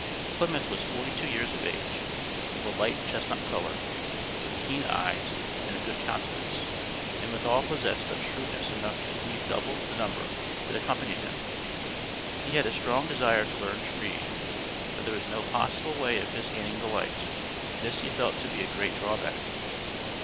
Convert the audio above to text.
Plymouth was forty two years of age, of a light chestnut color, with keen eyes, and a good countenance, and withal possessed of shrewdness enough to lead double the number that accompanied him. He had a strong desire to learn to read, but there was no possible way of his gaining the light; this he felt to be a great drawback.